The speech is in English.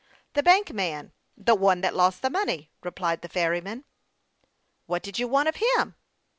The bank man the one that lost the money,'' replied the ferryman. " What did you want of him